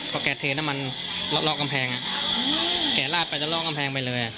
เพราะแก่เทนน้ำมันลอกลอกกำแพงอ่ะแก่ลาดไปจะลอกกำแพงไปเลยอ่ะ